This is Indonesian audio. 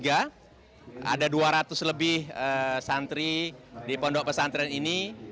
ada dua ratus lebih santri di pondok pesantren ini